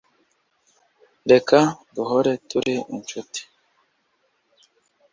reka duhore turi inshuti